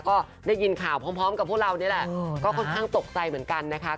ก็ได้ยินข่าวพร้อมกับพวกเรานี่แหละก็ค่อนข้างตกใจเหมือนกันนะคะ